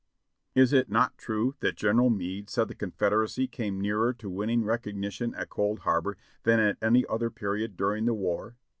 Is it not true that General Meade said the Confederacy came nearer to winning recognition at Cold Harbor than at any other period during the war?